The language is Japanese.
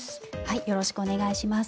よろしくお願いします。